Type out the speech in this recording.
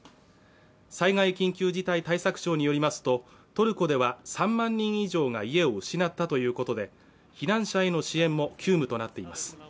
災害緊急事態対策庁によりますとトルコでは３万人以上が家を失ったということで避難者への支援も急務となっています